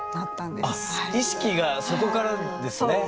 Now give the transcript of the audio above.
意識がそこからですね？